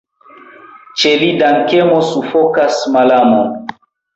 Ĉe li dankemo sufokas malamon.